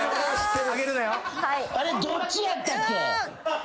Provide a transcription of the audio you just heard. あれっどっちやったっけ。